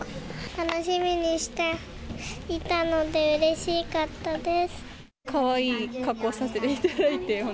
楽しみにしていたのでうれしかったです。